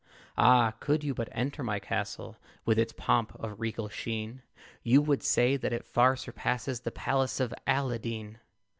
Ah! could you but enter my castle With its pomp of regal sheen, You would say that it far surpasses The palace of Aladeen.